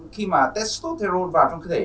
khi mà testosterone vào trong cơ thể